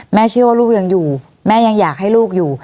เชื่อว่าลูกยังอยู่แม่ยังอยากให้ลูกอยู่